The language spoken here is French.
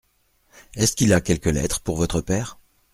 Est-ce qu’il a quelques lettres pour votre père ?